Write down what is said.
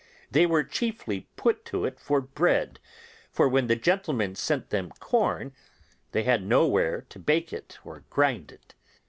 They were chiefly put to it for bread, for when the gentlemen sent them corn they had nowhere to bake it or to grind it.